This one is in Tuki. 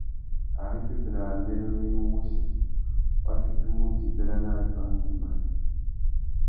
Ari pepenarâmbérénô i mú wussi, wa fitimú djï béranari pandú ngüima.